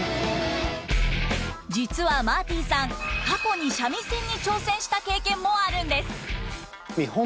実はマーティさん過去に三味線に挑戦した経験もあるんです。